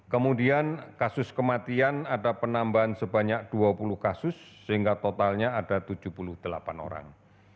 kemudian kasus kematian ada penambahan sebanyak dua puluh kasus sehingga totalnya ada tujuh puluh delapan orang